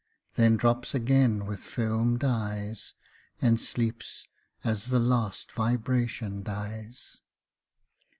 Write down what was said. Then drops again with fdmed eyes, And sleeps as the last vibration dies.